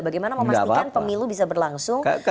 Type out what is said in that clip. bagaimana memastikan pemilu bisa berlangsung